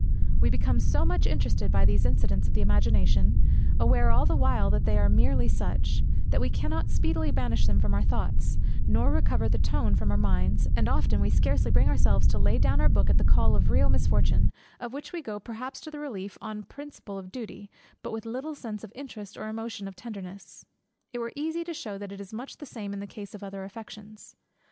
We become so much interested by these incidents of the imagination (aware all the while that they are merely such) that we cannot speedily banish them from our thoughts, nor recover the tone of our minds; and often, we scarcely bring ourselves to lay down our book at the call of real misfortune, of which we go perhaps to the relief, on a principle of duty, but with little sense of interest or emotion of tenderness. It were easy to shew that it is much the same in the case of the other affections.